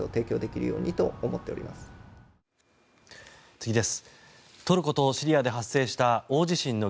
次です。